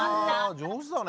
上手だね。